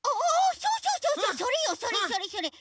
そうそうそうそうそれよそれそれそれ。